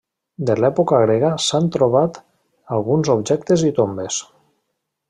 De l'època grega s'han trobat alguns objectes i tombes.